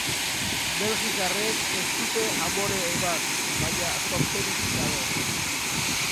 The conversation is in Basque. Belgikarrek ez dute amore eman, baina zorterik gabe.